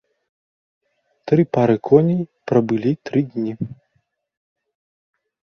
Тры пары коней прабылі тры дні.